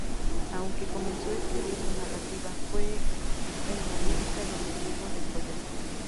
Aunque comenzó escribiendo narrativa, fue en la lírica donde Diego descolló.